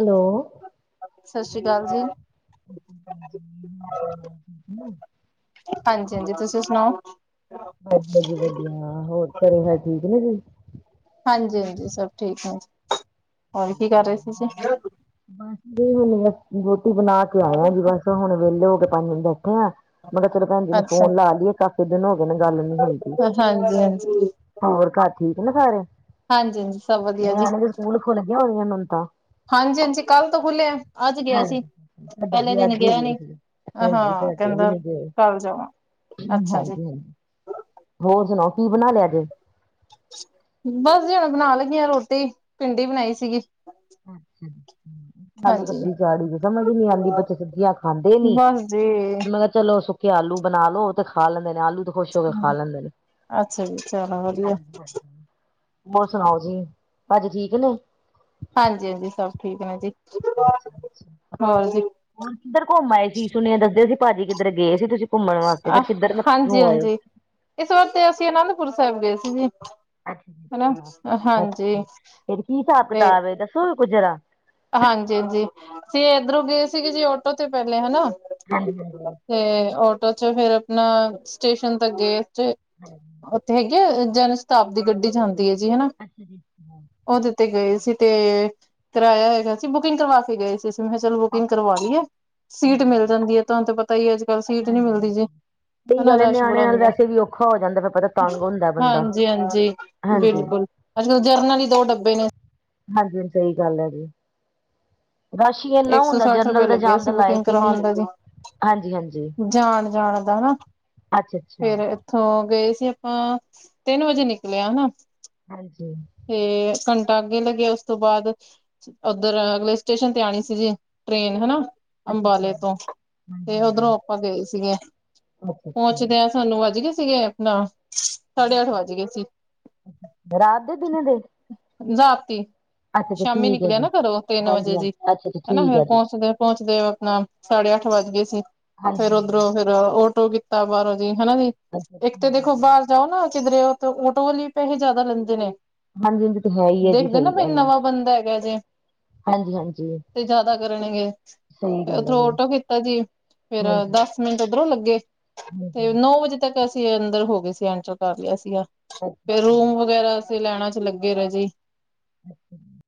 Hello ਸਤਿ ਸ੍ਰੀ ਅਕਾਲ ਜੀ [inaudible] ਹਾਂਜੀ-ਹਾਂਜੀ ਤੁਸੀਂ ਸੁਣਾਓ ਵਧੀਆ ਜੀ ਵਧੀਆ ਹੋਰ ਘਰੇ ਸਭ ਠੀਕ ਨੇ ਜੀ ਹਾਂਜੀ ਹਾਂਜੀ, ਸਖ ਠੀਕ ਨੇ ਜੀ, ਹੋਰ ਕੀ ਕਰ ਰੇ ਸੀ ਤੁਸੀ। ਬਸ ਦੋਨੋ ਵੇਲੇ ਦੀ ਰੋਟੀ ਬਣਾ ਕੇ ਆਯਾ ਜੀ, ਵੈਸੇ ਹੁਣ ਵਿਹਲੇ ਹੋ ਕੇ ਪੰਜ ਮਿੰਟ ਬੈਠੇ ਆ। ਮੈਂ ਕਿਹਾ ਕਿਹਾ ਚਲੋ ਭੈਣ ਜੀ ਨੂੰ ਅੱਛਾ, ਫੋਨ ਲਾ ਲਈਏ, ਕਾਫੀ ਦਿਨ ਹੋ ਗਏ ਨੇ ਗੱਲ ਨੀ ਹੋਈ ਦੀ। ਹਾਂਜੀ-ਹਾਂਜੀ, ਹੋਰ ਘਰ ਠੀਕ ਨਾ ਸਾਰੇ ਹਾਂਜੀ-ਹਾਂਜੀ ਸਭ ਵਧੀਆ ਨਿਆਣੇ ਦੇ ਸਕੂਲ ਖੁੱਲਗੇ ਹੋਨ ਗਏ ਹਾਂਜੀ ਹਾਂਜੀ ਕੱਲ੍ਹ ਤੋਂ ਖੁੱਲਿਆ ਅੱਜ ਗਿਆ ਸੀ ਹਾਂਜੀ ਸਾਡੇ ਪਹਿਲੇ ਵੀ ਦਿਨ ਅੱਜ ਹੀ ਗਿਆ ਗਏ ਨੀ ਸੀ। ਹਾਂਜੀ ਹਾਂ ਸਾਡੇ ਵੀ ਕਹਿੰਦਾ ਨੀ ਗਏ ਕੱਲ ਜਾਵਾਂ ਹਾਂਜੀ ਅੱਛਾ ਜੀ। ਹਾਂਜੀ ਹੋਰ ਸੁਣਾਓ ਕੀ ਬਣਾ ਲਿਆ ਜੇ ਬਸ ਜੀ ਹੁਣ ਬਣਾ ਲੱਗੀ ਹ ਰੋਟੀ ਭਿੰਡੀ ਬਣਾਈ ਸੀਗੀ [inaudible] ਆਲੂ ਹਾਂਜੀ। ਸਬਜ਼ੀ ਚਾੜੀ ਸਮਝ ਨੀ ਆਲੀ ਬੱਚੇ ਸਬਜ਼ੀਆਂ ਖਾਂਦੇ ਨੀ ਬਸ ਜੀ, ਮੈਂ ਚਲੋ ਸੁੱਕੇ ਆਲੂ ਬਣਾ ਲਓ ਤੇ ਖਾ ਲੈਂਦੇ ਨੇ ਆਲੂ ਦੇ, ਖੁਸ਼ ਹੋ ਕੇ ਖਾ ਲੈਂਦੇ ਨੇ ਅੱਛਾ ਜੀ ਚਲੋ ਵਧੀਆ, ਹੁਰ ਸੁਣਾਓ ਜੀ, ਪਾਜੀ ਠੀਕ ਨੇ। ਹਂਜੀ ਹਾਂਜੀ, ਸਬ ਠੀਕ ਨੇ ਜੀ। ਅੱਛਾ ਅੱਛਾ ਹੋਰ ਜੀ, ਹੁਣ ਕਿੱਧਰ ਘੁੰਮ ਆਏ ਸੀ, ਸੁੂਨੀਆ ਦੱਸਦੇ ਸੀ ਭਾਜੀ ਕਿੱਧਰੇ ਗਏ ਸੀ ਤੁਸੀਂ ਘੁੰਮਣ ਵਾਸਤੇ, ਫਿਰ ਕਿਧਰ ਨੂ ਘੁੰਮ ਆਏ ਹੋ। ਹਾਂਜੀ-ਹਾਂਜੀ ਇਸ ਵਾਰ ਤੇ ਅਸੀਂ ਅਨੰਦਪੁਰ ਸਾਹਿਬ ਗਏ ਸੀਗੇ। ਅੱਛਾ ਅੱਛਾ, ਫਿਰ ਕੀ ਹਿਸਾਬ ਤੇ ਕਿਤਾਬ ਦੱਸੋ ਵੀ ਕੁੱਜ ਜਰਾ। ਹਾਂਜੀ ਹਾਂਜੀ, ਸੀ ਇੱਧਰੋਂ ਗਏ ਸੀਗੇ ਜੀ, ਆਟੋ ਤੇ ਪਹਿਲੇ ਹੈਨਾ। ਹਾਂਜੀ ਹਾਂਜੀ ਤੇ ਆਟੋ ਚ ਫੇਰ ਆਪਣਾ, ਸਟੇਸ਼ਨ ਤ ਗਏ ਇਥੇ। ਉੱਥੇ ਹੈਗੀ ਏ, ਜਨ ਸ਼ਤਾਬਦੀ ਗੱਡੀ ਜਾਂਦੀ ਹੈ ਜੀ, ਹੈਨਾ। ਅੱਛਾ ਜੀ ਉਹ ਦਿੱਤੇ ਗਏ ਸੀ ਤੇ, ਕਿਰਾਆਂ ਹੈਗਾ ਸੀ, ਬੁਕਿੰਗ ਕਰਵਾ ਕੇ ਗਏ ਸੀ ਮੈਂ ਕਿਹਾ ਚਲੋ ਬੁਕਿੰਗ ਹਾਂਜੀ। ਕਰਵਾ ਲਈ ਐ, ਸੀਟ ਮਿਲ ਜਾਂਦੀ ਹੈ, ਤੁਹਾਨੂੰ ਪਤਾ ਹੀ ਅੱਜ ਕੱਲ ਸੀਟ ਨੀ ਮਿਲਦੀ ਜੀ। ਸਹੀ ਹੈਨਾ ਗੱਲ ਏ ਰਸ਼ ਨਿਆਣਿਆਂ ਬੜਾ ਨਾਲ ਹੁੰਦਾ ਹੈ, ਵੈਸੇ ਵੀ ਔਖਾ ਹੋ ਜਾਂਦਾ ਫਿਰ ਪਤਾ ਤੰਗ ਹੁੰਦਾ ਬੰਦਾ ਹਾਂਜੀ ਹਾਂਜੀ ਹਾਂਜੀ। ਬਿਲਕੁਲ ਅੱਜ ਕੱਲ, ਜਰਨਲ ਦੋ ਦੋ ਡੱਬੇ ਨੇ। ਹਾਂਜੀ ਹ ਸਹੀ ਗੱਲ ਹੈ ਜੀ, ਰਸ਼ ਇੰਨਾ ਇੱਕ ਸੌ ਹੁੰਦਾ, ਸੱਠ ਰੁਪਏ ਜਨਰਲ ਦੇ ਲੱਗਿਆ ਜਾਣ ਸੀ ਦੇ ਬੁਕਿੰਗ ਲਾਇਕ ਹੀ ਨੀ। ਕਰਵਾਉਣ ਦਾ ਜੀ ਹਾਂਜੀ ਹਾਂਜੀ ਜਾਣ ਜਾਣ ਦਾ, ਹੈ ਨਾ ਅੱਛਾ ਅੱਛਾ ਫੇਰ ਇੱਥੋਂ ਗਏ ਸੀ ਆਪਾਂ, ਤਿੰਨ ਵਜੇ ਨਿਕਲੇ ਆ ਹੈਨਾ। ਹਾਂਜੀ ਤੇ ਘੰਟਾ ਅੱਗੇ ਲੱਗਿਆ, ਉਸ ਤੋਂ ਬਾਅਦ ਉਧਰ ਅਗਲੇ ਸਟੇਸ਼ਨ ਤੇ ਆਣੀ ਸੀ। ਜੇ ਟ੍ਰੇਨ ਹੈ ਨਾ। ਅੱਛਾ ਅੱਛਾ ਅੰਬਾਲੇ ਤੋਂ, ਹਾਂਜੀ ਤੇ ਹਾਂਜੀ ਉਧਰੋਂ ਆਪਾਂ ਗਏ ਸੀਗੇ, ਅੱਛਾ ਪਹੁੰਚ ਦੇ ਅੱਛਾ ਆਂ। ਸਾਨੂੰ ਵੱਜ ਗਏ ਸੀਗੇ ਆਪਣਾ, ਸਾਢੇ ਅੱਠ ਵੱਜ ਗਏ ਸੀ। ਰਾਤ ਦੇ, ਦਿਨੇ ਦੇ ਰਾਤੀ, ਅੱਛਾ ਅੱਛਾ ਸ਼ਾਮੀ ਠੀਕ ਹੈ ਨਿਕਲਿਆ ਜੀ ਨਾ ਘਰੋਂ ਤਿੰਨ ਹਾਂਜੀ ਵਜੇ ਜੀ। ਹਾਂਜੀ ਅੱਛਾ ਅੱਛਾ ਹੈਨਾ ਠੀਕ ਫੇਰ ਹੈ ਜੀ ਪਹੁੰਚਦੇ ਪਹੁੰਚਦੇ, ਆਪਣਾ ਸਾਢੇ ਅੱਠ ਵੱਜ ਗਏ ਸੀ, ਫੇਰ ਹਾਂਜੀ ਉੱਧਰੋਂ ਫਿਰ ਆਟੋ ਕੀਤਾ ਬਾਹਰੋਂ ਜੀ, ਹੈਨਾ ਜੀ ਅੱਛਾ ਇੱਕ ਤੇ ਠੀਕ ਹੈ ਦੇਖੋ ਜੀ ਬਾਹਰ ਜਾਓ ਨਾ, ਕਿਧਰੇ ਤੇ ਆਟੋ ਵਾਲੇ ਪੈਸੇ ਜ਼ਿਆਦਾ ਲੈਂਦੇ ਨੇ, ਹਾਂਜੀ ਹਾਂਜੀ ਤੇ ਹੈ ਹੀ ਹੈ ਜੀ ਦੇਖਦੇ ਨਾ ਸਹੀ ਬ ਗੱਲ ਹੈ ਨਵਾਂ ਬੰਦਾ ਹੈਗਾ ਜੇ। ਹਾਂਜੀ ਹਾਂਜੀ ਤੇ ਜਿਆਦਾ ਕਰਨਗੇ, ਸਹੀ ਗੱਲ ਹੈ ਉੱਥੋਂ ਜੀ ਆਟੋ ਕੀਤਾ ਜੀ ਫੇਰ ਹਾਂਜੀ ਦੱਸ ਮਿੰਟ ਉੱਧਰੋਂ ਲੱਗੇ, ਤੇ ਹਾਂਜੀ ਨੌ ਵਜੇ ਤੱਕ ਅਸੀਂ ਅੰਦਰ ਹੋ ਗਏ ਸੀ, ਐਂਟਰ ਕਰ ਲਿਆ ਸੀਗਾ। ਹਾਂ ਰੂਮ ਵਗੈਰਾ, ਅਸੀਂ ਲੈਣਾ ਚ ਲੱਗੇ ਰੇ ਜੀ। ਅੱਛਾ ਜੀ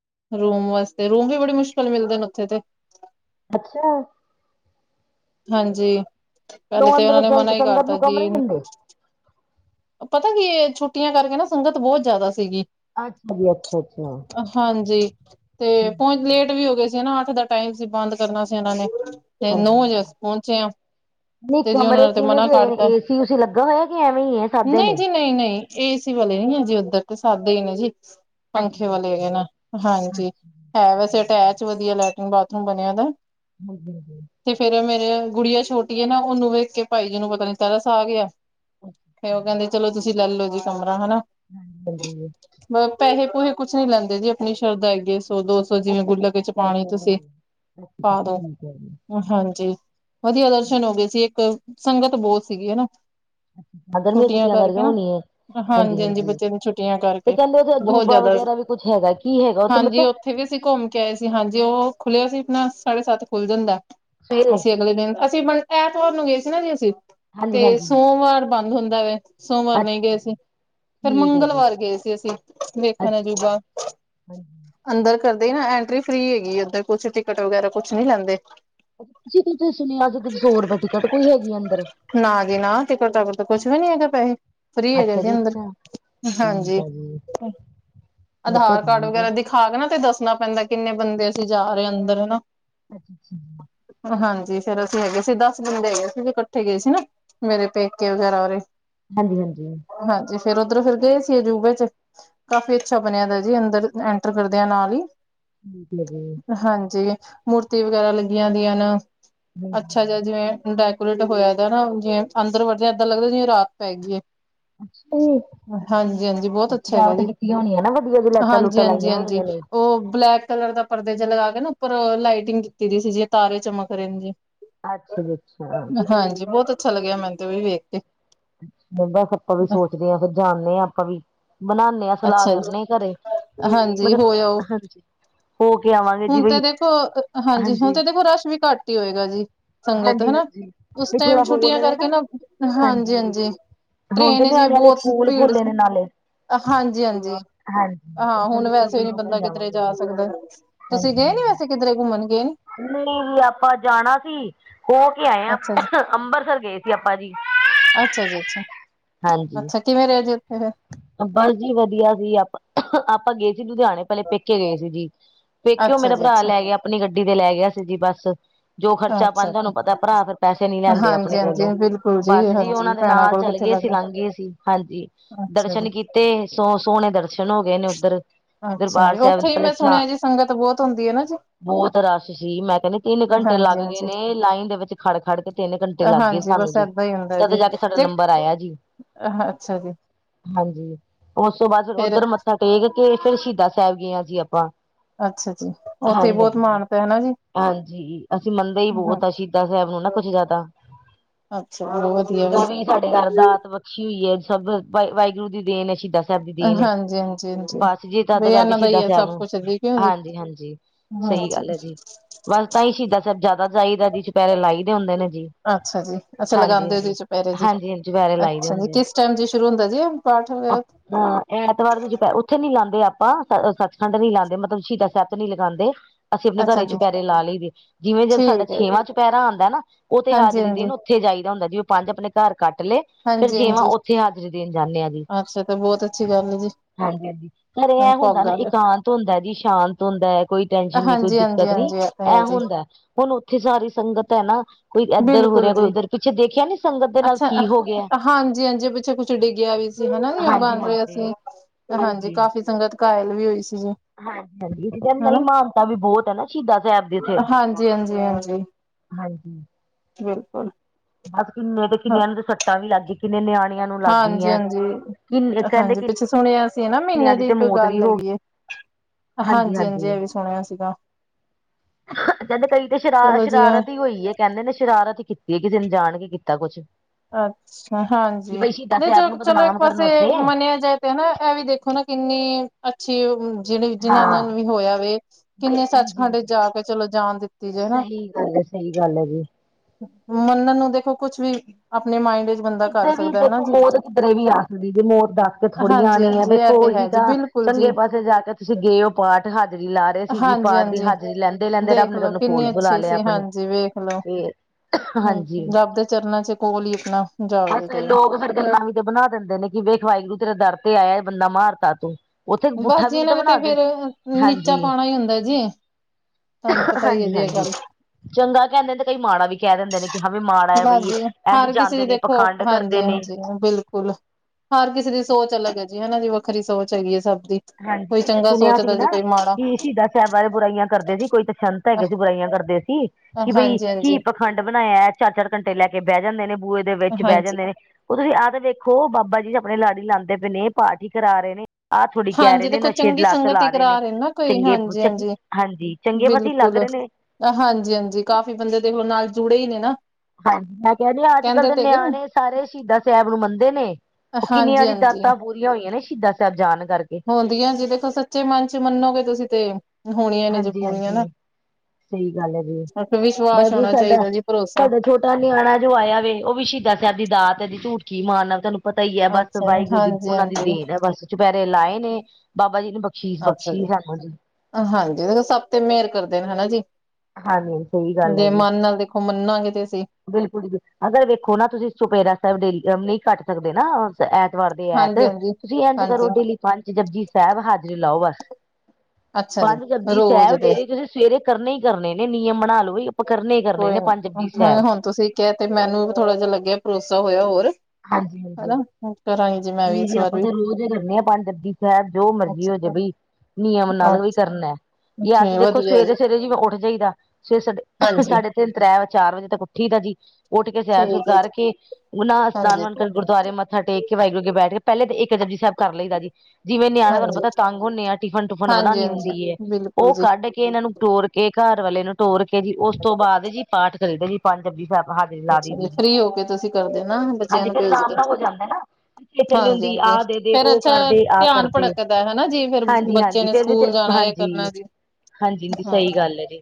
ਰੂਮ ਵਾਸਤੇ, ਰੂਮ ਵੀ ਬੜੀ ਮੁਸ਼ਕਿਲ ਮਿਲਦੇ ਨੇ, ਉੱਥੇ ਤੇ। ਅੱਛਾ ਹਾਂਜੀ, ਕਿਉਂ ਪਹਿਲੇ ਤੇ ਅੰਦਰ ਉਹਨਾਂ ਨੇ ਸੰਗ ਮਨਾ ਹੀ ਸੰਗਤ ਕਰਤਾ ਨੂੰ ਜੀ ਕਮਰੇ ਨੀ ਦਿੰਦੇ ਪਤਾ ਕੀ, ਇਹ ਛੁੱਟੀਆਂ ਕਰਕੇ ਨਾ ਸੰਗਤ ਬਹੁਤ ਜਾਦਾ ਸੀ ਗੀ। ਅੱਛਾ ਜੀ ਅੱਛਾ ਅੱਛਾ ਹਾਂਜੀ ਤੇ ਠੀਕ ਪਹੁੰਚ ਲੇਟ ਵੀ ਹੋ ਗਏ ਸੀ ਨਾ, ਅੱਠ ਦਾ ਟਾਈਮ ਸੀ ਬੰਦ ਕਰਨਾ ਸੀ ਇਹਨਾਂ ਨੇ, ਤੇ ਹਾਂਜੀ ਨੌ ਵਜੇ ਅਸੀ ਪਹੁੰਚੇ ਆ। ਨਹੀਂ ਤੇ ਜੇ ਉਹਨਾਂ ਕਮਰੇ ਨੇ ਤੇ ਕਿਵੇਂ ਮਨਾ ਦੇ ਹੈਗੇ ਕਰ ਨੇ ਤਾ, ਏਸੀ ਉਸੀ ਲੱਗਾ ਹੋਇਆ ਕਿ ਐਵੇਂ ਹੀ ਹੈ ਸਾਦੇ ਨਹੀਂ ਨੇ ਜੀ, ਨਹੀਂ- ਨਹੀਂ। ਏ ਸੀ ਵਾਲੇ ਨੀ ਹੈ ਜੀ, ਉੱਧਰ ਤੇ ਸਾਡੇ ਹੀ ਨੇ ਜੀ। ਅੱਛਾ ਪੰਖੇ ਵਾਲੇ ਹੈਗੇ ਅੱਛਾ ਨਾ, ਹਾਂਜੀ ਹੈ ਵੈਸੇ ਅਟੈਚ ਵਧੀਆ ਲੈਟਰਿਨ ਬਾਥਰੂਮ ਬਨਯਾ ਦਾ। ਹਾਂਜੀਾਂ ਜੀ [unintelligible] ਤੇ ਫੇਰ ਮੇਰੇ ਗੁੜੀਆ ਛੋਟੀ ਏ ਨਾ, ਉਹਨੂੰ ਵੇਖ ਕੇ ਭਾਈ ਜੀ ਨੂੰ ਪਤਾ ਨੀ ਤਰਸ ਆ ਗਿਆ। ਫੇ ਉਹ ਕਹਿੰਦੇ ਚਲੋ, ਤੁਸੀਂ ਲੈਲੋ ਜੀ ਕਮਰਾ ਹੈਨਾ। ਹਾਂਜੀ ਇਹ। ਪੈਸੇ - ਪੂਸੇ ਕੁੱਛ ਨੀ ਲੈਂਦੇ ਜੀ, ਆਪਣੀ ਸ਼ਰਧਾ ਹੈਗੀ ਏ, ਸੋ ਦੋ ਸੌ ਜਿਵੇਂ ਅੱਛਾ ਗੁਲਕ ਠੀਕ ਚ ਪਾਣੀ ਤੁਸੀਂ, ਪਾਦੋ ਹੈ ਜੀ, ਹਾਂਜੀ ਵਧੀਆ ਦਰਸ਼ਨ ਹੋ ਗਏ ਸੀ ਇੱਕ, ਸੰਗਤ ਬਹੁਤ ਸੀਗੀ ਹਨਾ ਗਰਮੀਆਂ ਛੁੱਟੀਆਂ ਕਰਕੇ ਕਰੀਆਂ ਨਾ ਹੋਣੀਆਂ। ਹਾਂਜੀ- ਹਾਂਜੀ ਬੱਚਿਆਂ ਦੀ ਛੁੱਟੀਆਂ ਤੇ ਕਰਕੇ ਕਹਿੰਦੇ ਉੱਥੇ ਬਹੁਤ ਅਜੂਬਾ ਜ਼ਿਆਦਾ ਵਗੈਰਾ ਵੀ ਕੁੱਛ ਹੈਗਾ ਕੀ ਹੈਗਾ ਉੱਥੇ ਪਤਾ ਇੱਥੇ ਵੀ ਅਸੀਂ ਘੁੰਮ ਕੇ ਆਏ ਸੀ। ਹਾਂਜੀ ਉਹ ਖੁੱਲਿਆ ਸੀ ਨਾ ਸਾਢੇ ਸੱਤ ਖੁੱਲ ਜਾਂਦਾ। ਸਵੇਰੇ, ਅਸੀਂ ਅਗਲੇ ਦਿਨ। ਅਸੀਂ ਬ ਐਤਵਾਰ ਨੂੰ ਗਏ ਸੀ ਨਾ ਬੀ ਅਸੀਂ। ਤੇ ਹਾਂਜੀ-ਹਾਂਜੀ, ਸੋਮਵਾਰ ਬੰਦ ਹੁੰਦਾ ਵੈ। ਸੋਮਵਾਰ ਨਹੀਂ ਅੱਛਾ ਗਏ ਅਸੀ। ਫੇਰ ਠੀਕ ਹੈ ਜੀ, ਮੰਗਲਵਾਰ ਗਏ ਸੀ ਅਸੀਂ ਵੇਖਣ ਅੱਛਾ। ਅਜੂਬਾ। ਹਾਂਜੀ [unintelligible] [unintelligible] ਅੰਦਰ ਕਰਦੇ ਈ ਨਾ, ਐਂਟਰੀ ਫਰੀ ਹੈਗੀ ਉੱਧਰ ਕੁਛ ਟਿਕਟ ਵਗੈਰਾ ਕੁਛ ਨਹੀ ਲੈਂਦੇ। ਤੁਸੀਂ ਕਿਥੇ ਸੁਣਿਆ ਕਿ ਸੋ ਰੁਪਏ ਟਿਕਟ ਕੋਈ ਹੈਗੀ ਏ ਅੰਦਰ। ਨਾ ਜੀ ਨਾ ਟਿਕਟ ਦਾ ਤਾਂ ਕੁਛ ਵੀ ਨੀ ਹੈਗਾ ਪੈਹੇ। ਫਰੀ ਹੈਗਾ ਅੱਛਾ ਕੇ ਜੀ ਅੰਦਰ, ਅੱਛਾ, ਠੀਕ ਹਾਂਜੀ। ਆ ਜੀ, ਫਿਰ ਤਾਂ ਅਧਾਰ ਕਾਰਡ ਠੀਕ ਹੈ। ਵਗੈਰਾ ਦੀ ਖਾ ਕੇ ਨਾ ਤੇ ਦੱਸਣਾ ਪੈਂਦਾ ਕਿੰਨੇ ਬੰਦੇ ਅਸੀਂ ਜਾ ਰਹੇ ਆ ਅੰਦਰ ਹਨਾ। ਅੱਛਾ ਅੱਛ ਜ [unintelligible] [unintelligible] ਹਾਂਜੀ। ਫੇਰ ਅਸੀਂ ਹੈਗੇ ਸੀ ਦਸ ਬੰਦੇ ਹੈਗੇ ਸੀ ਬੀ ਕੱਠੇ ਗਏ ਸੀ ਨਾ। ਮੇਰੇ ਪੇਕੇ ਵਗੈਰਾ ਓਰੇ। ਹਾਂਜੀ- ਹਾਂਜੀ। ਹਾਂਜੀ। ਫੇਰ ਉੱਧਰ ਫੇਰ ਗਏ ਸੀ ਅਜੂਬੇ ਚ। ਕਾਫੀ ਅੱਛਾ ਬਣਿਆ ਦਾ ਜੀ ਅੰਦਰ, ਐਂਟਰ ਕਰਦੇਆਂ ਨਾਲ ਈ। ਠੀਕ ਲ ਜ [unintelligible] [unintelligible] ਹਾਂਜੀ, ਮੂਰਤੀ ਵਗੈਰਾ ਲੱਗੀਆਂ ਦੀਆਂ ਨ, ਅੱਛਾ ਹਾਂਜੀ, ਜਿਹਾ ਜਿਵੇਂ ਡੈਕੋਰੇਟ ਹੋਯਾ ਦਾ ਨਾ ਜਿਵੇ ਅੰਦਰ ਵੜਦੇਯਾਂ ਏਦਾਂ ਲੱਗਦਾ ਜਿਵੇ ਰਾਤ ਪੈ ਗਈਏ। [unintelligible] [unintelligible] ਹਾਂਜੀ- ਹਾਂਜੀ, ਬਹੁਤ ਅੱਛਾ ਸਜਾਵਟ ਹੈਗਾ ਜੀ। ਕੀਤੀ ਹੋਣੀ ਆ ਨਾ ਵਧੀਆ ਜੀ ਲਾਈਟਾਂ ਹਾਂਜੀ- ਲੂਟਾਂ ਹਾਂਜੀ ਲਾਈਆਂ -ਹਾਂਜੀ ਹੋਣੀਆਂ ਨੇ। ਉਹ ਬਲੈਕ ਕਲਰ ਦਾ ਪਰਦੇ ਜੇ ਲਗਾ ਕੇ ਨਾ ਉੱਪਰ ਲਾਈਟਿੰਗ ਕੀਤੀ ਦੀ ਸੀ। ਜੀਏ ਤਾਰੇ ਚਮਕ ਰਹੇ ਨੇ ਜੀ। ਅੱਛਾ ਜੀ ਅੱਛਾ ਹਾਂਜੀ, ਬਹੁਤ ਅੱਛਾ ਲੱਗਿਆ ਮੈਨੂੰ ਤੇ ਵਈ ਵੇਖ ਕੇ। ਬਸ ਅਪਾਂ ਵੀ ਸੋਚਦੇ ਹਾਂ। ਫੇਰ ਜਾਨੇ ਆ ਆਪਾਂ ਵੀ। ਬਣਾਦੇ ਸਲਾਹ ਅੱਛਾ ਜੀ ਕਰਨੇ ਘਰੇ। ਮੈਂ ਹਾਂਜੀ ਹੋ ਆਓ ਕਿਹਾ ਹਾਂਜੀ ਹੋ ਕੇ ਆਵਾਂਗੇ। ਜੀ ਹੁਣ ਤੇ ਬਈ ਦੇਖੋ ਹਾਂਜੀ, ਹੁਣ ਤੇ ਦੇਖੋ ਰਸ਼ ਵੀ ਘੱਟ ਹੀ ਹੋਏਗਾ ਜੀ। ਸੰਗਤ ਹਾਂਜੀ- ਹਨਾ ਹਾਂਜੀ। ਉਸ ਵੀ ਟੈਮ ਥੋੜਾ ਹੋਰ ਛੁੱਟੀਆਂ ਨੇ ਕਰਕੇ ਨਾ ਹਾਂਜੀ- ਹਾਂਜੀ ਹੁਣ ਤੇ ਟ੍ਰੇਨ ਵਿਚ ਵੀ ਨਿਆਣਿਆਂ ਦੇ ਬਹੁਤ ਸਕੂਲ ਭੀੜ ਖੁੱਲੇ ਨੇ ਨਾਲੇ ਹਾਂਜੀ- ਹਾਂਜੀ। ਹਾਂਜੀ ਹਾਂ ਇਸ ਹੁਣ ਕਰਕੇ ਵੈਸੇ ਛੋਟਨ ਵੀ ਰੁਕ ਕੇ ਬੰਦਾ ਕਿਧਰੇ ਜਾਵਾਂਗੇ ਜਾ ਜੀ ਸਕਦੇ। ਤੁਸੀਂ ਹਾਂਜੀ ਗਏ ਨੀ ਹਾਂਜੀ ਵੈਸੇ ਕਿਧਰੇ ਘੁੰਮਣ ਗਏ ਨੀ? ਨਹੀਂ ਜੀ ਆਪਾਂ ਜਾਣਾ ਸੀ। ਹੋ ਕੇ ਆਏ ਆ ਅੱਛਾ ਜੀ ਅੰਬਰਸਰ ਗਏ ਸੀ ਆਪਾਂ ਜੀ। ਅੱਛਾ ਜੀ ਅੱਛਾ। ਹਾਂਜੀ ਅੱਛਾ, ਕਿਵੇਂ ਰਿਹਾ ਜੀ ਉੱਥੇ ਫੇਰ? ਬਸ ਜੀ ਵਧੀਆ ਸੀ। ਆਪਾਂ -ਆਪਾਂ ਗਏ ਸੀ ਲੁਧਿਆਣੇ। ਪਹਿਲੇ ਪੇਕੇ ਗਏ ਸੀ ਜੀ। ਪੇਕੇਓ ਅੱਛਾ ਮੇਰਾ ਜੀ ਭਰਾ ਅੱਛਾ ਲੈ ਗਿਆ ਆਪਣੀ ਗੱਡੀ ਤੇ ਲੈ ਗਿਆ ਸੀ ਜੀ ਬੱਸ। ਜੋ ਖਰਚਾ ਬਨਦਾ ਅੱਛਾ ਤੁਹਾਨੂੰ ਜੀ ਪਤਾ ਭਰਾ ਫਿਰ ਪੈਸੇ ਨੀ ਲੈਂਦੇ ਆਪਣੇ ਹਾਂਜੀ ਹਾਂਜੀ ਕੋਲੋਂ ਬਿਲਕੁਲ ਬਸ। ਜੀ ਉਹਨਾਂ ਹਾਂਜੀ ਦੇ ਭੈਣਾਂ ਨਾਲ ਕੋਲ ਚਲ ਕਿੱਥੇ ਗਏ ਸੀ, ਲੱਗਦਾ ਲੰਘ ਗਏ ਸੀ। ਹਾਂਜੀ ਅੱਛਾ ਜੀ ਦਰਸ਼ਨ ਕੀਤੇ ਸੋ ਸੋਹਣੇ ਦਰ ਚਲੋ ਗਏ ਨੇ ਉੱਧਰ। ਅੱਛਾ ਦਰਬਾਰ ਜੀ, ਸਾਹਿਬ ਉੱਥੇ ਹੀ ਪਹਿਲੇ ਮੈਂ ਸੁਣਾ ਸੁਣਿਆ ਜੀ ਸੰਗਤ ਬਹੁਤ ਹੁੰਦੀ ਹੈ ਨਾ ਜੀ। ਬਹੁਤ ਰਸ਼ ਸੀ ਮੈਂ ਕਹਿੰਦੀ ਤਿੰਨ ਘੰਟੇ ਹਾਂਜੀ ਲੱਗ। ਲੱ ਗਏ ਹਾਂਜੀ ਨੇ ਲਾਈਨ ਦੇ ਵਿੱਚ ਖੜ-ਖੜ ਕੇ ਤਿੰਨ ਘੰਟੇ ਲੱਗ ਗਏ ਹਾਂਜੀ ਸਾਨੂੰ ਜੀ। ਤਦ ਜਾ ਕੇ ਸਾਡਾ ਨੰਬਰ [unintelligible] ਆਇਆ ਜੀ। [unintelligible] ਹਾਂਜੀ, ਉਸ ਤੋਂ ਬਾਅਦ ਫੇਰ ਉੱਧਰ ਮੱਥਾ ਟੇਕ ਕੇ, ਫਿਰ ਸ਼ਹੀਦਾ ਸਾਹਿਬ ਗਏ ਆ ਜੀ ਆਪਾਂ। ਅੱਛਾ ਜੀ ਉੱਥੇ ਹੀ ਬਹੁਤ ਹਾਂਜੀ, ਮਾਨਤਾ। ਹਨਾ ਜੀ ਹਾਂਜੀ, ਅਸੀਂ ਮੰਨਦੇ ਹੀ ਹਾਂ ਬਹੁਤ ਆ ਸ਼ਹੀਦਾ ਸਾਹਿਬ ਨੂੰ ਨਾ ਕੁਛ ਜ਼ਿਆਦਾ। ਅੱਛਾ। ਜੋ ਵੀ ਸਾਡੇ ਘਰ ਦਾਤ ਬਖਸ਼ੀ ਹੋਈ ਹੈ ਸਭ ਵਾ ਵਾਹਿਗੁਰੂ ਦੀ ਦੇਣ ਏ ਸ਼। ਸਭ ਦੀਨ ਏ। ਹਾਂਜੀ ਹਾਂਜੀ ਹਾਂਜੀ ਬਸ ਜੀ ਤਦ ਵੀ ਕਰਕੇ ਇਹਨਾਂ ਦਾ ਹੀ ਸ਼ਹੀਦਾਂ ਹੈ ਸਾਹਿਬ ਸਭ ਨੂੰ ਕੁਛ ਜੀ ਕਿਉਂ ਜੀ ਹਾਂਜੀ- ਹਾਂਜੀ। ਸਹੀ ਹਾਂਜੀ। ਗੱਲ ਹੈ ਜੀ। ਬਸ ਤਾਂ ਹੀ ਸ਼ਹੀਦਾਂ ਸਾਹਿਬ ਜਾਦਾ ਜਈਦਾ ਜੀ ਚੁਪੈਰੇ ਲਾਈ ਦੇ ਹੁੰਦੇ ਨੇ ਜੀ। ਅੱਛਾ ਜੀ। ਅੱਛਾ ਹਾਂਜੀ, ਲਗਾਉਂਦੇ ਹੋ ਹਾਂਜੀ। ਜੀ ਚੁੱਪਹਿਰੇ ਜੀ ਹਾਂਜੀ, ਹਾਂਜੀ ਚੁਪਹਿਰੇ ਲਾਈ ਦੇ ਅੱਛਾ ਹੁੰਦੇ ਆ। ਕਿਸ ਟਾਈਮ ਸ਼ੁਰੂ ਹੁੰਦਾ ਜੀ ਪਾਠ। ਹਾਂ ਐਤਵਾਰ ਦੀ ਚੈ ਉੱਥੇ ਨੀ ਲਾਉਂਦੇ ਆਪਾਂ ਸੱਚਖੰਡ ਵੀ ਲਾਉਂਦੇ ਮਤਲਬ ਸ਼ਹੀਦਾਂ ਸਾਹਿਬ ਨੀ ਲਗਾਉਂਦੇ। ਅਸੀਂ ਆਪਣੇ ਅੱਛਾ ਘਰੇ ਜੀ ਚੁਪੈਰੇ ਲਾ ਲਈ ਦੇ ਜਿਵੇਂ ਜਦੋਂ ਸਾਡਾ ਠੀਕ ਹੈ ਜੀ ਛੇਵਾਂ ਚ ਪੈਰਾ ਆਉਂਦਾ ਨਾ ਉਹ ਤੇ ਹਾਂਜੀ ਹਾਜ਼ਰੀ ਹਾਂਜੀ ਦੇਨ। ਚਾਹੀਦਾ ਹੁੰਦਾ ਜੀ ਉਹ ਪੰਜ ਆਪਣੇ ਘਰ ਕੱਟ ਲਏ ਫੇਰ ਹਾਂਜੀ ਛੇਵਾ ਹਾਂਜੀ ਉੱਥੇ ਹਾਜ਼ਰੀ ਦੇਣ ਜਾਂਦੇ ਆਂ ਜੀ। ਅੱਛਾ ਤੇ ਬਹੁਤ ਅੱਛੀ ਗੱਲ ਏ ਜੀ। ਹਾਂਜੀ-ਹਾਂਜੀ ਘਰੇ ਐ ਹੁੰਦਾ ਨਾ ਭਾਗਾ ਇਕਾਂਤ ਹੁੰਦਾ ਜੀ ਸ਼ਾਂਤ ਹੁੰਦਾ ਹੈ ਕੋਈ ਟੈਸ਼ਨ ਨੀ ਕੋਈ ਦਿੱਕਤ ਨੀ। ਇਹ ਹਾਂ ਜੀ। ਹੁੰਦਾ ਹੁਣ ਉੱਥੇ ਸਾਰੀ ਸੰਗਤ ਹੈ ਨਾ ਕੋਈ ਇੱਧਰ ਹੋ ਰਿਹਾ ਬਿਲਕੁਲ ਜੀ ਕੋਈ। ਉੱਧਰ ਪਿੱਛੇ ਦੇਖਿਆ ਨੀ ਸੰਗਤ ਦੇ ਨਾਲ ਅੱਛਾ ਕੀ ਹੋ ਗਿਆ ਅ ਹਾਂਜੀ-ਹਾਂਜੀ ਪਿੱਛੇ ਕੁਛ ਡਿੱਗਿਆ ਵੀ ਸੀ ਹਨਾ ਜੀ ਉਹ ਹਾਂਜੀ ਬਣ ਰਿਹਾ ਹਾਂਜੀ ਸੀ। ਤੇ ਹਾਂਜੀ ਕਾਫ਼ੀ ਸੰਗਤ ਘਾਇਲ ਵੀ ਹੋਈ ਸੀ ਗੀ। ਹਾਂਜੀ-ਹਾਂਜੀ ਕਹਿੰਦਾ ਸੀ ਮਾਨਤਾ ਵੀ ਬਹੁਤ ਹੈ ਨਾ ਸ਼ਹੀਦਾ ਸਾਹਿਬ ਦੇ ਉੱਥੇ। ਹਾਂਜੀ-ਹਾਂਜੀ-ਹਾਂਜੀ। ਹਾਂਜੀ। ਬਿਲਕੁਲ। ਬਸ ਕਿੰਨੇ ਤੇ ਕਿੰਨਿਆਂ ਨੂੰ ਦੇ ਸੱਟਾਂ ਵੀ ਲੱਗ ਗਈ ਕਿੰਨੇ ਨਿਆਣੇ। ਕਹਿੰਦੇ ਹਾਂਜੀ-ਹਾਂਜੀ-ਹਾਂਜੀ ਪਿੱਛੇ ਸੁਣਿਆ ਸੀ। ਨਾ ਕਿੰਨਿਆਂ ਮਹੀਨੇ ਦੀ ਤੇ ਇੱਕ ਮੌਤ ਵੀ ਗੱਲ ਹੋ ਹੈਗੀ ਹੈ। ਗਈ ਹਾਂਜੀ ਹਾਂਜੀ-ਹਾਂਜੀ ਇਹ ਹਾਂਜੀ ਵੀ ਸੁਣਿਆ ਸੀਗਾ। ਜਦ ਕਈ ਤੇ ਸ਼ਰ ਚਲੋ ਜੀ ਸ਼ਰਾਰਤ ਹੀ ਹੋਈ ਹੈ। ਕਹਿੰਦੇ ਨੇ ਸ਼ਰਾਰਤ ਹੀ ਕੀਤੀ ਹੈ ਕਿਸੇ ਨੇ ਜਾਣ ਕੇ ਕੀਤਾ ਹੈ ਕੁੱਛ। ਅੱਛਾ ਹਾਂਜੀ ਨਹੀਂ ਜੋ ਸਾਹਿਬ ਨੂੰ ਚਲੋ ਇੱਕ ਬਦਨਾਮ ਕਰਨ ਪਾਸੇ ਵਾਸਤੇ ਮੰਨਿਆ ਜਾਏ। ਤੇ ਹਨਾ ਇਹ ਵੀ ਦੇਖੋ ਨਾ ਕਿੰਨੀ ਅੱਛੀ। ਜਿਹੜੇ ਜਿਹਨਾਂ ਨਾਲ ਹਾਂ ਵੀ ਹੋਇਆ ਵੇ ਬਈ ਕਿੰਨੇ ਹਾਂਜੀ ਸੱਚਖੰਡ ਹਾਂਜੀ ਜਾ ਕੇ ਚਲੋ ਜਾਣ ਦਿੱਤੀ ਜੇ ਹਨਾ। ਸਹੀ ਗੱਲ ਹੈ ਸਹੀ ਗੱਲ ਹੈ ਜੀ। ਮੰਨਣ ਨੂੰ ਦੇਖੋ ਕੁਛ ਵੀ ਆਪਣੇ ਮਾਇੰਡ। ਬੰਦਾ ਕਰ ਕਿੱਧਰੇ ਵੀ ਸਕਦਾ ਹਨਾ ਦੇਖੋ ਜੀ ਮੌਤ ਕਿੱਧਰੇ ਵੀ ਆ ਸਕਦੀ ਜ ਮੌਤ ਦੱਸ ਕੇ ਥੋੜ੍ਹੀ ਹਾਂਜੀ ਆਣੀ ਹੈ ਹਾਂਜੀ ਇਹ ਵੇਖੋ ਤੇ ਉਹੀ ਹੈ ਜੀ ਤਾਂ। ਬਿਲਕੁਲ ਜੀ ਚੰਗੇ ਪਾਸੇ ਜਾ ਕੇ ਤੁਸੀਂ ਗਏ ਹੋ ਪਾਠ ਹਾਜ਼ਰੀ ਲਾ ਰਹੇ ਸੀ ਜੀ ਹਾਂਜੀ ਪਾਠ ਦੀ ਹਾਂਜੀ ਹਾਜ਼ਰੀ ਲੈਂਦੇ। ਲੈਂਦੇ ਰ ਆਪਣੇ ਦੇਖਲੋ ਤੁਹਾਨੂੰ ਕੋੋਲ ਕਿੰਨੀ ਬੁਲਾ ਅੱਛੀ ਲਿਆ ਸੀ ਆਪਣੇ ਹਾਂਜੀ ਵੇਖ ਲੋ ਫੇਰ। ਹਮ ਹਾਂਜੀ ਰੱਬ ਦੇ ਚਰਨਾਂ ਚ ਕੋਲ ਹੀ ਆਪਣਾ। ਜਾਓਗੇ ਬਸ ਗਏ ਲੋਕ ਫਿਰ ਗੱਲਾਂ ਵੀ ਤੇ ਬਣਾ ਦਿੰਦੇ ਨੇ ਕਿ ਵੇਖ ਵਾਹਿਗੁਰੂ ਤੇਰੇ ਦਰ ਤੇ ਆਇਆ ਬੰਦਾ ਮਾਰ ਤਾ ਤੂੰ। ਉੱਥੇ ਬਸ ਪੁੱਠਾ ਜੀ ਵੀ ਇਹਨਾਂ ਤਾਂ ਨੇ ਤੇ ਬਣਾ ਦੇਣ ਫੇਰ ਨੀਚਾ ਹਾਂਜੀ ਪਾਉਣਾ ਹੀ ਹੁੰਦਾ ਜੀ। ਤੁਹਾਨੂੰ ਪਤਾ ਹੀ ਹੈ ਹਾਂਜੀ ਜੇ ਇਹ ਹਾਂਜੀ ਗੱਲ। ਚੰਗਾ ਕਹਿੰਦੇ ਨੇ ਤੇ ਕਈ ਮਾੜਾ ਵੀ ਕਹਿ ਦਿੰਦੇ ਨੇ ਕਿ ਹਾਂ ਵੀ ਮਾੜਾ ਹੈ ਬਸ ਬਈ ਇਹ। ਜੀ ਹਰ ਕਿਸੇ ਦੇ ਦੀ ਨੇ ਦੇਖੋ ਪਖੰਡ ਕਰਦੇ ਹਾਂਜੀ ਨੇ। ਹਾਂਜੀ ਬਿਲਕੁਲ ਹਰ ਕਿਸੇ ਦੀ ਸੋਚ ਅਲੱਗ ਹੈ ਜੀ ਹਨਾ ਜੀ ਵੱਖਰੀ ਸੋਚ ਹੈਗੀ ਹੈ ਸਭ ਦੀ। ਹਾਂਜੀ ਕੋਈ ਪਿੱਛੇ ਚੰਗਾ ਸੁਣਿਆ ਸੀ ਸੋਚਦਾ ਜੀ ਨਾ ਕੋਈ ਮਾੜਾ। ਕਿ ਸ਼ਹੀਦਾਂ ਸਾਹਿਬ ਬਾਰੇ ਬੁਰਾਈਆਂ ਕਰਦੇ ਸੀ ਕੋਈ ਤਾਂ ਸੰਤ ਹੈਗੇ ਸੀ ਬੁਰਾਈਆਂ ਕਰਦੇ ਸੀ ਕਿ ਬਈ ਹਾਂਜੀ ਕੀ ਹਾਂਜੀ ਪ। ਪਖੰਡ ਬਣਾਇਆ ਹੈ ਚਾਰ-ਚਾਰ ਘੰਟੇ ਲੈ ਕੇ ਬਹਿ ਜਾਂਦੇ ਨੇ ਬੂਹੇ ਦੇ ਵਿੱਚ ਬਹਿ ਹਾਂਜੀ ਜਾਂਦੇ ਨੇ। ਉਹ ਤੁਸੀਂ ਆਹ ਤੇ ਵੇਖੋ ਬਾਬਾ ਜੀ ਆਪਣੇ ਲੜ ਹੀ ਲਾਉਂਦੇ ਪਏ ਨੇ ਪਾਠ ਹੀ ਕਰਾ ਰਹੇ ਨੇ ਆਹ ਥੋੜੀ। ਹਾਂਜੀ ਦੇਖੋ ਚੰਗੀ ਸੰਗਤ ਹੀ ਕਰਾ ਰਹੇ ਨਾ ਕੋਈ ਹਾਂਜੀ ਹਾਂਜੀ ਬਿਲਕੁਲ [unintelligible] ਹਾਂਜੀ, ਹਾਂਜੀ ਕਾਫੀ ਬੰਦੇ ਤੇ ਹੋਰ ਨਾਲ ਜੁੜੇ ਈ ਨੇ ਨਾ ਹਾਂਜੀ ਮੈਂ ਕੇਹਰੀ ਆ ਅੱਜ ਕੱਲ੍ਹ ਕਹਿੰਦੇ ਦੇ ਤੇ ਹੈਗੇ ਨੇ ਨਿਆਣੇ ਸਾਰੇ ਸ਼ਹੀਦਾਂ ਸਾਹਿਬ ਨੂੰ ਮੰਨਦੇ ਨੇ ਉਹ ਕਿੰਨੀਆਂ ਹਾਂਜੀ ਦੀ ਹਾਂਜੀ ਦਾਤਾਂ ਪੂਰੀਆਂ ਹੋਈਆਂ ਨੇ ਸ਼ਹੀਦਾਂ ਸੇਬ ਜਾਨ ਕਰਕੇ ਹੁੰਦੀਆਂ ਜੀ ਦੇਖੋ ਸੱਚੇ ਮਨ ਚ ਮੰਨੋਗੇ ਤੁਸੀਂ ਤੇ ਹੋਣੀਆਂ ਨੇ ਜੀ ਹਾਂਜੀ ਪੂਰੀਆਂ ਨਾ ਹਾਂਜੀ ਸਹੀ ਗੱਲ ਹੈਗੀ ਏ ਜੀ ਬਾ ਵਿਸ਼ਵਾਸ ਜੀ ਹੋਣਾ ਸਾਡਾ ਚਾਹੀਦਾ ਜੀ ਭਰੋਸਾ ਸਾਡਾ ਛੋਟਾ ਤਾਂ ਨਿਆਣਾ ਜੋ ਆਇਆ ਵੇ ਉਹ ਵੀ ਸ਼ਹੀਦਾ ਸੇਬ ਦੀ ਦਾਤਦੀ ਝੂਠਕੀ ਮਾਂ ਨਾਲ ਤੈਨੂੰ ਪਤਾ ਈ ਏ ਬਸ, ਅੱਛਾ ਜੀ ਵਾਹਿਗੁਰੂ ਦੀ ਹਾਂਜੀ ਉਹਨਾਂ ਦੀ ਹਾਂਜੀ ਦੇਣ ਐ ਬਸ ਚੁਪੈਰੇ ਲਾਏ ਨੇ ਬਾਬਾ ਜੀ ਨੇ ਬਖ਼ੀਸ ਬਖਸ਼ੀ ਹੈ ਸਾਨੂੰ ਜੀ। ਹਾਂਜੀ, ਉਹ ਸੱਭ ਤੇ ਮੇਹਰ ਕਰਦੇ ਨੇ ਹੈਨਾ ਜੀ ਹਾਂਜੀ ਸਹੀ ਗੱਲ ਹੈ ਜੇ ਜੀ ਮਨ ਨਾਲ ਦੇਖੋ ਮੰਨਾਗੇ ਤੇ ਅਸੀਂ ਬਿਲਕੁਲ ਜੀ, ਅਗਰ ਵੇਖੋ ਨਾ ਤੁਸੀਂ ਸੁਪੇਰਾ ਸਾਹਿਬ ਡੇਲੀ ਨਹੀਂ ਕੱਟ ਸਕਦੇ ਨਾ ਐਤਵਾਰ ਦੇ ਐਤ ਹਾਂਜੀ ਹਾਂਜੀ ਤੁਸੀਂ ਏੰਝ ਕਰੋ ਹਾਂਜੀ ਡੇਲੀ ਪੰਚ ਜਪੁਜੀ ਸੈਬ ਹਾਜ਼ਰੀ ਲਾਓ ਬਸ ਅੱਛਾ ਜੀ ਪੰਜ ਜਪੁਜੀ ਰੋਜ਼ ਸਹਿਬ ਦੇ ਡੇਲੀ ਤੁਸੀਂ ਸਵੇਰੇ ਕਰਨੇ ਹੀ ਕਰਨੇ ਨੇ ਨਿਯਮ ਬਣਾ ਲਓ ਵੀ ਕਰਨੇ ਹੀ ਕਰਨੇ ਕੋਈ ਨੇ ਪੰਜ ਜੁਪਜੀ ਨੀ ਸੇਹਬ ਹੁਣ ਤੁਸੀਂ ਤੇ ਮੈਨੂੰ ਥੋੜਾ ਜੇਆ ਲੱਗਿਆ ਭਰੋਸਾ ਹੋਇਆ ਹੋਰ ਹਾਂਜੀ ਹਾਂਜੀ ਹਨਾ ਹੁਣ ਕਰਾਗੀ। ਨਹੀਂ ਜੀ ਆਪਾਂ ਤੇ ਰੋਜ਼ ਕਰਦੇ ਆ ਪੰਜ ਜਪੁਜੀ ਸਾਹਿਬ ਜੋ ਮਰਜ਼ੀ ਹੋ ਜਾਏ ਅੱਛਾ ਬਈ ਨਿਯਮ ਨਾਲ ਵੀ ਕਰਨੇ ਜਾਂ ਤੇ ਜੀ ਦੇਖੋ ਵਧੀਆ ਜੀ ਸਵੇਰ-ਸਵੇਰੇ ਜੀਵੇ ਉੱਠ ਜਾਈਦਾ ਸਵੇ ਸਾਡੇ ਹਾਂਜੀ ਸਾਡੇ ਤਿੰਨ ਤ੍ਰੈ-ਚਾਰ ਵਜੇ ਤੱਕ ਉੱਠੀ ਦਾ ਜੀ, ਉੱਠ ਕੇ ਸੈਰ ਸੁਰ ਠੀਕ ਹੈ ਜੀ ਕਰਕੇ ਉਨ੍ਹਾਂ ਅਸਥਾਨ ਹਾਂਜੀ ਬਣ ਗੁਰਦੁਆਰੇ ਮੱਥਾ ਟੇਕ ਕੇ ਵਾਹਿਗੁਰੂ ਬੈਠ ਕੇ ਪਹਿਲੇ ਤੇ ਇੱਕ ਜਪੁਜੀ ਸਾਹਿਬ ਕਰ ਲਈ ਦਾ ਜੀ ਜਿਵੇਂ ਨਿਆਣੇ ਤੁਹਾਨੂੰ ਹਾਂਜੀ ਪਤਾ ਤੰਗ ਹੁਣੇ ਆ, ਟਿਫਨ-ਟੁਫਨ ਹਾਂਜੀ ਬਣਾਣੀ ਹਾਂਜੀ ਹੁੰਦੀ ਐ, ਬਿਲਕੁਲ ਉਹ ਜੀ ਕੱਢ ਕੇ ਇਹਨਾਂ ਨੂੰ ਤੋਰ ਕੇ, ਘਰ ਵਾਲੇ ਨੂੰ ਤੋਰ ਕੇ ਜੀ ਉਸ ਤੋਂ ਬਾਅਦ ਜੀ ਪਾਠ ਕਰੀਦਾ ਜੀ ਪੰਜ‌ ਜਪੁਜੀ ਸਾਹਿਬ ਹਾਜ਼ਰੀ ਲਾ ਦੀਦੀ। ਫ੍ਰਰੀ ਹੋ ਕੇ ਤੁਸੀਂ ਕਰਦੇ ਨਾ ਬੱਚਿਆਂ ਹਾਂਜੀ ਨੂੰ ਫਿਰ ਭੇਜ ਅਰਾਮ ਕੇ ਨਾਲ ਹੋ ਜਾਂਦਾ ਨਾ ਚੱਲੀ ਹਾਂਜੀ ਹੁੰਦੀ ਹਾਂਜੀ ਆਹ ਦੇ ਦੇ, ਫੇਰ ਉਹ ਅੱਛਾ ਕਰਦੇ, ਆਹ ਧਿਆਨ ਕਰਦੇ ਭੜਕਦਾ ਹਨਾ ਜੀ ਫੇਰ ਬੱਚੇ ਹਾਂਜੀ-ਹਾਂਜੀ ਨੇ ਏਦੇ ਚ ਸਕੂਲ ਜਾਣਾ ਇਹ ਹਾਂਜੀ ਕਰਨਾ ਦੀ ਹਾਂਜੀ-ਹਾਂਜੀ, ਸਈ ਗੱਲ ਏ ਜੀ,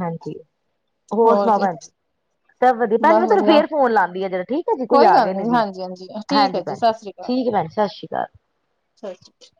ਹਾਂਜੀ ਹੋਰ ਸੁਣਾਓ ਭੈਣਜੀ। ਸਭ ਵਧੀਆ ਭੈਣਜੀ ਬਸ ਮੈਂ ਤੁਹਾਨੂੰ ਵਧੀਆ ਫੇਰ ਫੋਨ ਲਾਂਦੀ ਆ ਜਰਾ ਠੀਕ ਏ ਜੀ, ਕੋਈ ਆ ਗੱਲ ਗਏ ਨੇ ਨੀ ਜੀ ਹਾਂਜੀ ਹਾਂਜੀ ਠੀਕ ਹਾਂਜੀ ਹੈ ਭੈਣ ਜੀ ਸਤਿ ਸ੍ਰੀ ਅਕਾਲ ਠੀਕ ਏ ਭੈਣ ਜੀ, ਸਤਿ ਸ਼੍ਰੀ ਅਕਾਲ। [unintelligible]